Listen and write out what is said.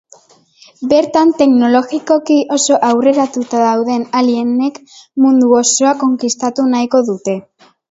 Bertan, teknologikoki oso aurreratuta dauden alienek mundu osoa konkistatu nahiko dute.